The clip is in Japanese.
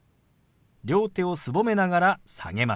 両手をすぼめながら下げます。